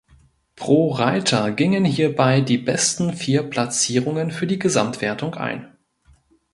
Pro Reiter gingen hierbei die besten vier Platzierungen für die Gesamtwertung ein.